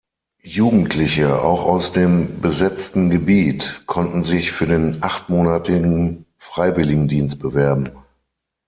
Jugendliche, auch aus dem besetzten Gebiet, konnten sich für den achtmonatigen Freiwilligendienst bewerben.